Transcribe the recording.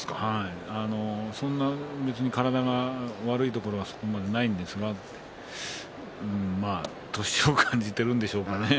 そんなに体が悪いところはないんだけれどもと年を感じているんでしょうかね。